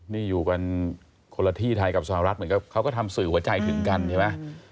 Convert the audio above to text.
นี่อยู่กันคนละที่ไทยกับสหรัฐเหมือนกับเขาก็ทำสื่อหัวใจถึงกันใช่ไหม